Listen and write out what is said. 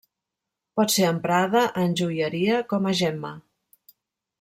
Pot ser emprada en joieria com a gemma.